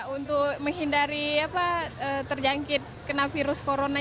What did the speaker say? untuk menghindari terjangkit kena virus corona